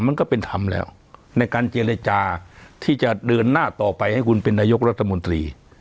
มันก็เป็นธรรมแล้วในการเจรจาที่จะเดินหน้าต่อไปให้คุณเป็นนายกรัฐมนตรี